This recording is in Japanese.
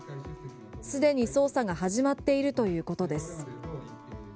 既に捜査が始まっているということです。